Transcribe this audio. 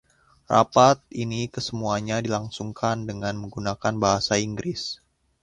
Rapat ini kesemuanya dilangsungkan dengan menggunakan bahasa Inggris.